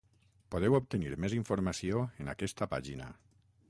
Podeu obtenir més informació en aquesta pàgina.